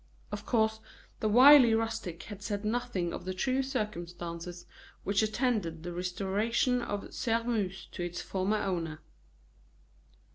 Of course, the wily rustic had said nothing of the true circumstances which attended the restoration of Sairmeuse to its former owner.